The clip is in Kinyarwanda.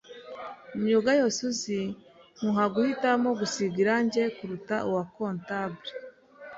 mu myuga yose uzi nkuha guhitamo gusiga irangi kuruta uwa comptable,